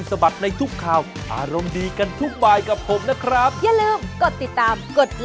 สวัสดีครับครับ